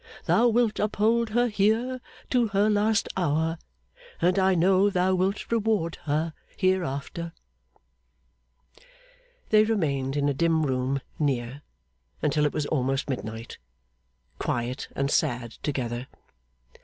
Thou wilt uphold her here to her last hour. And I know Thou wilt reward her hereafter!' They remained in a dim room near, until it was almost midnight, quiet and sad together.